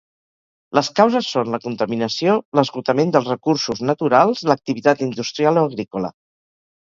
Les causes són la contaminació, l'esgotament dels recursos naturals, l'activitat industrial o agrícola.